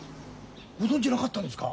ご存じなかったんですか？